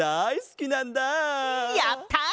やった！